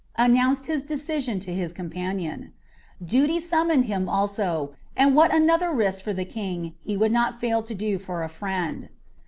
announced his decision to his companion. Duty summoned him also, and what another risked for the King he would not fail to do for his friend.